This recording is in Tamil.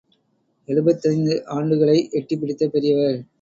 எழுபத்தைந்து ஆண்டுகளை எட்டிப் பிடித்த பெரியவர்.